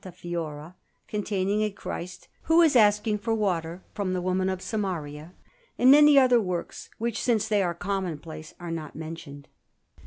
Fiora, containing a Christ who is asking for water from the woman of Samaria; and many other works, which, since they were commonplace, are not mentioned.